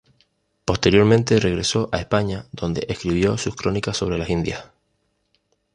Posteriormente regresó a España donde escribió sus crónicas sobre las Indias.